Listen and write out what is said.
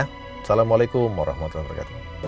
assalamualaikum warahmatullahi wabarakatuh